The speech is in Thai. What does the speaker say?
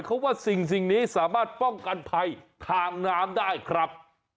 เขาว่าสิ่งนี้สามารถป้องกันภัยทางน้ำได้ครับ